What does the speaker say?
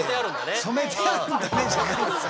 「染めてあるんだね？」じゃないですよ。